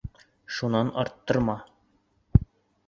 Шунан арттырма.